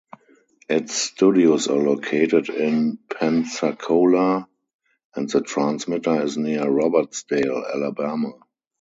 Its studios are located in Pensacola, and the transmitter is near Robertsdale, Alabama.